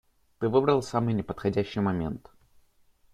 Ты выбрал самый неподходящий момент.